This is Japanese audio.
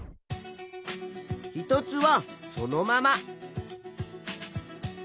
一つはそのまま。